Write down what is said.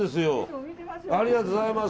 ありがとうございます。